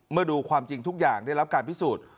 ดูความจริงทุกอย่างได้รับการพิสูจน์